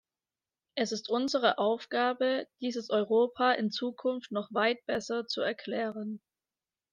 Es ist unsere Aufgabe, dieses Europa in Zukunft noch weit besser zu erklären.